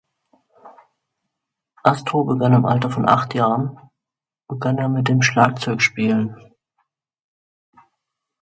Astor begann im Alter von acht Jahren begann er mit dem Schlagzeugspielen.